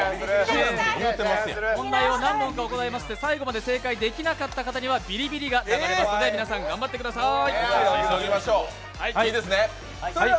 問題を何問か行いまして最後まで正解できなかった方にはビリビリが流れますので皆さん、頑張ってください。